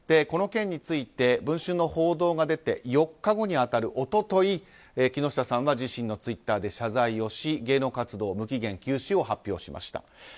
この件について「文春」の報道が出て４日後に当たる一昨日木下さんが自身のツイッターで謝罪をし、芸能活動無期限休止を発表しました。